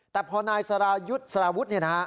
แต่พอนายสรายุทธ์สราวุฒร